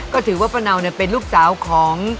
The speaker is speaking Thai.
ก็ถือว่าป้าเนาเป็นลูกสาวของ